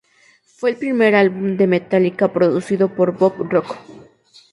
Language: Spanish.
Fue el primer álbum de Metallica producido por Bob Rock.